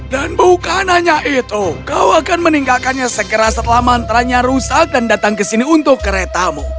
dan bukan hanya itu kau akan meninggalkannya segera setelah mantra rusak dan datang ke sini untuk keretamu